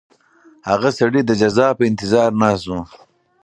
هغه سړی د جزا په انتظار ناست و.